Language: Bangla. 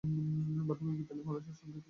মাধ্যমিক বিদ্যালয়ের ও মাদ্রাসা সংখ্যা পাঁচটি।